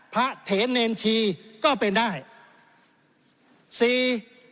พระเถรเนชีก็เป็นได้